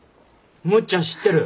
むっちゃん知ってる？